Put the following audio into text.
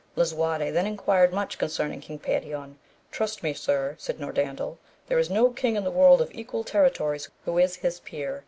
Lisuarte then enquired much concerning King Pe rion : Trust me sir, said Norandel, there is no king in the world of equal territories who is his peer.